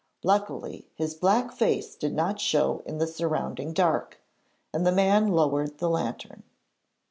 Luckily his black face did not show in the surrounding dark, and the man lowered the lantern.